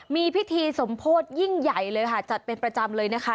มีพิธีสมโพธิยิ่งใหญ่เลยค่ะจัดเป็นประจำเลยนะคะ